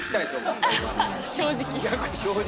正直。